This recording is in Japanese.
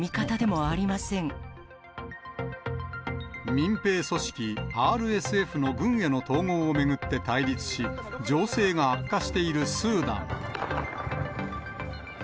民兵組織、ＲＳＦの軍への統合を巡って対立し、情勢が悪化しているスーダン。